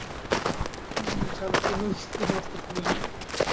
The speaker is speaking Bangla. জানকী নন্দী মস্ত ধনী লোক।